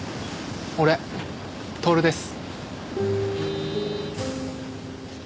俺享です。